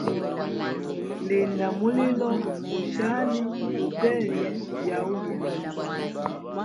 Linda mulilo gushali tuteye byaulya.